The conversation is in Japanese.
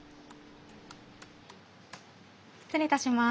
失礼いたします。